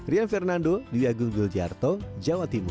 rian fernando di wiagung viljarto jawa timur